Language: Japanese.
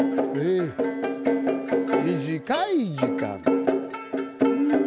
短い時間。